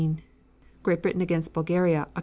Great Britain against Bulgaria, Oct.